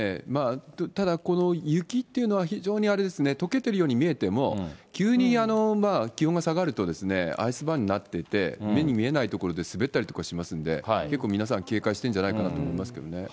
ただ、この雪っていうのは、非常にあれですね、とけてるように見えても、急に気温が下がるとアイスバーンになっていて、目に見えない所で滑ったりとかしますんで、結構皆さん、警戒してるんじゃないかと思いますけどね。